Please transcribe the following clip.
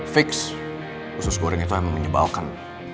fix khusus goreng itu emang menyebalkan